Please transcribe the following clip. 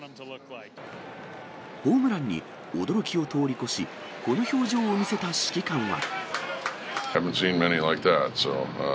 ホームランに驚きを通り越し、この表情を見せた指揮官は。